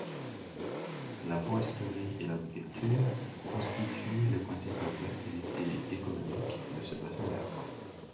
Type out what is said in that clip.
La foresterie et l’agriculture constituent les principales activités économiques de ce bassin versant.